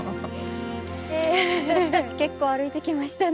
私たち結構歩いてきましたね。